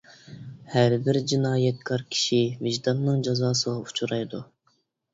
ھەر بىر جىنايەتكار كىشى ۋىجداننىڭ جازاسىغا ئۇچرايدۇ.